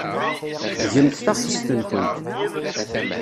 Gemt taɣtest-nkent.